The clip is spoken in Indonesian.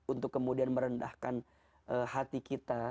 untuk kemudian merendahkan hati kita